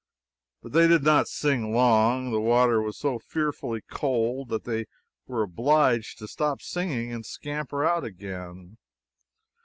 But they did not sing long. The water was so fearfully cold that they were obliged to stop singing and scamper out again.